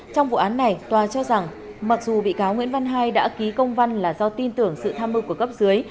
trong vụ án này tòa cho rằng mặc dù bị cáo nguyễn văn hai đã ký công văn là do tin tưởng sự tham mưu của cấp dưới